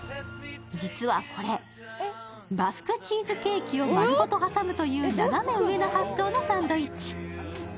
実はこれ、バスクチーズケーキを丸ごと挟むという斜め上な発想のサンドイッチ。